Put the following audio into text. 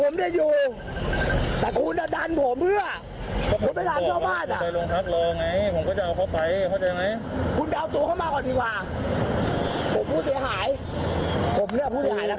ไม่ได้กรีป